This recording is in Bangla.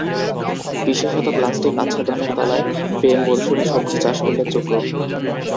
বিশেষত প্লাস্টিক আচ্ছাদনের তলায় বে-মরশুমী সবজি চাষ উল্লেখযোগ্য।